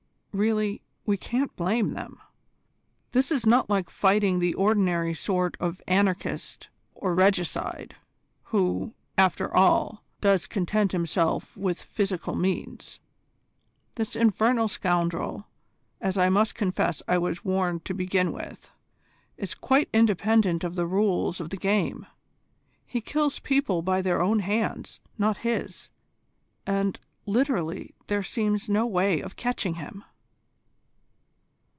Really, we can't blame them. This is not like fighting the ordinary sort of anarchist or regicide, who, after all, does content himself with physical means. This infernal scoundrel, as I must confess I was warned to begin with, is quite independent of the rules of the game. He kills people by their own hands, not his, and, literally, there seems no way of catching him."